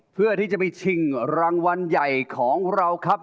เพื่อที่จะไปชิงรางวัลใหญ่ของเราครับ